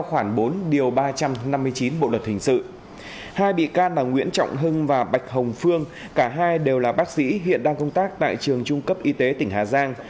hai bị can là nguyễn trọng hưng và bạch hồng phương cả hai đều là bác sĩ hiện đang công tác tại trường trung cấp y tế tỉnh hà giang